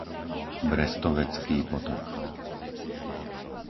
Brestovecký potok